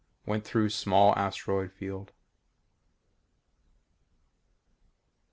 Went through small asteroid field....